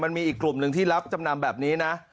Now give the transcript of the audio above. มันมีอีกกลุ่มหนึ่งที่รับจำนำแบบนี้นะ